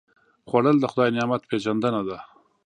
خوړل د خدای نعمت پېژندنه ده